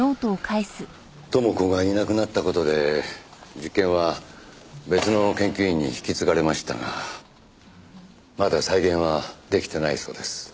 知子がいなくなった事で実験は別の研究員に引き継がれましたがまだ再現は出来てないそうです。